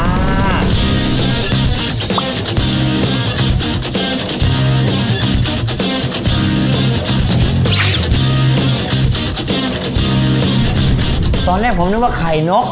ตอนแรกผมนึกว่าไข่นก